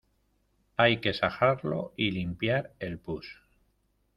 hay que sajarlo y limpiar el pus.